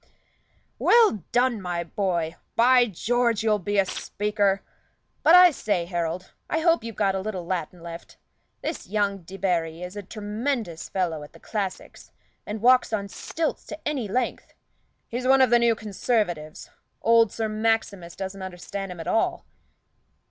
"Well done, my boy! By George, you'll be a speaker! But I say, Harold, I hope you've got a little Latin left. This young Debarry is a tremendous fellow at the classics, and walks on stilts to any length. He's one of the new Conservatives. Old Sir Maximus doesn't understand him at all."